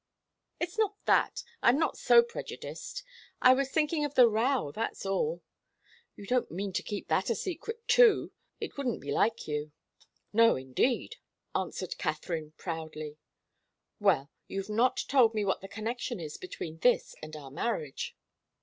"It's not that. I'm not so prejudiced. I was thinking of the row that's all. You don't mean to keep that a secret, too? It wouldn't be like you." "No, indeed," answered Katharine, proudly. "Well you've not told me what the connection is between this and our marriage.